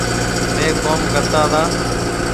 ميه ڪوم ڪرتا تا